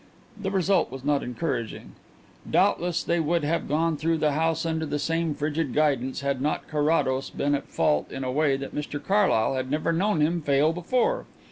The result was not encouraging. Doubtless they would have gone through the house under the same frigid guidance had not Carrados been at fault in a way that Mr Carlyle had never known him fail before.